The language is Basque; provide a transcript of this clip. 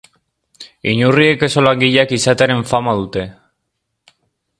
Inurriek oso langileak izatearen fama dute.